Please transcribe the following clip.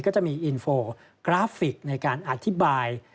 ก็จะมีอินโฟกราฟิกในการอธิบาย